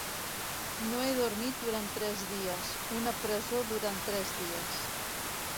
No he dormit durant tres dies: una presó durant tres dies.